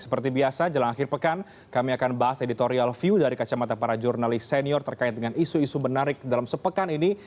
seperti biasa jelang akhir pekan kami akan bahas editorial view dari kacamata para jurnalis senior terkait dengan isu isu menarik dalam sepekan ini